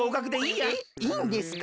えっいいんですか？